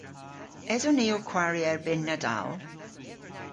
Eson ni ow kwari erbynn Nadal?